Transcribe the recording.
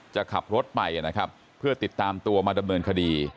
จะขับรถไปนะครับเพื่อติดตามตัวมาดำเนินคดี